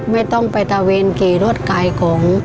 ไม่ต้องไปตะเวนขี่รถขายของ